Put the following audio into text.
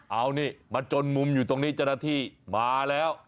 เอานี่มะจนมุมอยู่มาใกล้ที่มาแล้ว